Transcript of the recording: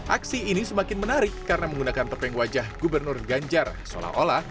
aksi ini semakin menarik karena menggunakan tepeng wajah gubernur ganjar solaola